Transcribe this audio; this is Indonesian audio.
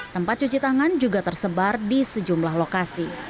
tempat cuci tangan juga tersebar di sejumlah lokasi